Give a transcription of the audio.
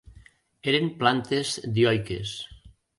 Eren plantes dioiques.